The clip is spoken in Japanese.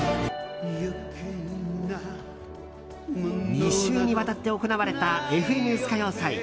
２週にわたって行われた「ＦＮＳ歌謡祭」。